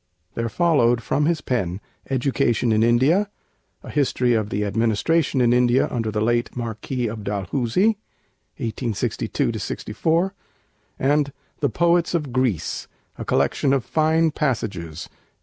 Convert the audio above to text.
There followed from his pen 'Education in India'; 'A History of the Administration in India under the Late Marquis of Dalhousie' (1862 64); and 'The Poets of Greece,' a collection of fine passages (1869).